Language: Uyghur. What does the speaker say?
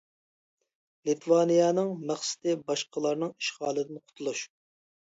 لىتۋانىيەنىڭ مەقسىتى باشقىلارنىڭ ئىشغالىدىن قۇتۇلۇش.